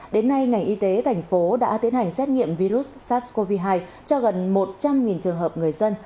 đến nay ngành y tế thành phố đã tiến hành xét nghiệm virus sars cov hai cho gần một trăm linh trường hợp người dân